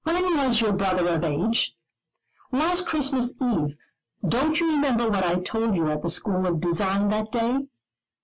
"When was your brother of age?" "Last Christmas Eve. Don't you remember what I told you at the school of design that day?"